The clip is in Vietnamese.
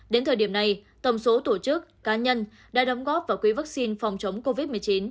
đến thời điểm này tổng số tổ chức cá nhân đã đóng góp vào quỹ vaccine phòng chống covid một mươi chín